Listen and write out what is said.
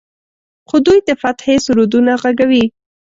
خو دوی د فتحې سرودونه غږوي.